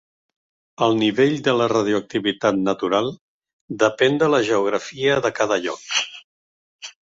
El nivell de la radioactivitat natural depèn de la geografia de cada lloc.